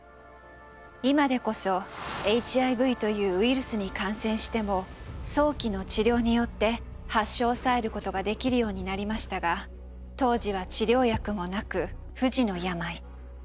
今でこそＨＩＶというウイルスに感染しても早期の治療によって発症を抑えることができるようになりましたが当時は治療薬もなく不治の病。